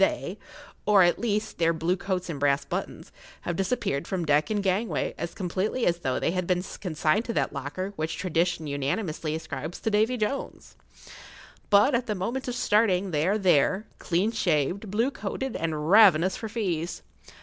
they, or at least their blue coats and brass buttons, have disappeared from deck and gangway as completely as though they had been consigned to that locker which tradition unanimously ascribes to Davy Jones. But, at the[Pg 11] moment of starting, they are there, clean shaved, blue coated, and ravenous for fees.